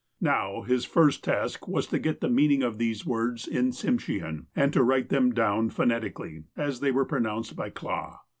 Now, his first task was to get the meaning of these words in Tsimshean, and to write them down, phonetically, as they were pronounced by Clah.